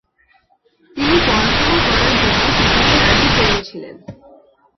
তিনি পড়াশোনা করার জন্য পিতাকে রাজি করিয়েছিলেন।